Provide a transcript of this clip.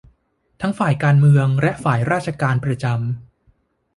ทั้งฝ่ายการเมืองและฝ่ายราชการประจำ